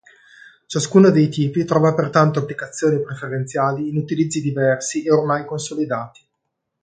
Ciascuno dei tipi trova pertanto applicazioni preferenziali in utilizzi diversi e ormai consolidati.